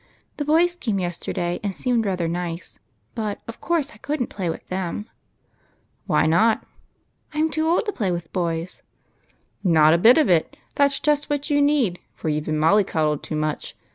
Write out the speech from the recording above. The boys came yesterday, and seemed rather nice ; but, of course, I could n't play with them." "Why not?" " I 'm too old to play with boys." "Not a bit of it: that's just what you need, for you 've been molly coddled too much.